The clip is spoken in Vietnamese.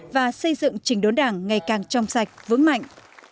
và xây dựng trình đốn đảng ngày càng trong sạch vững mạnh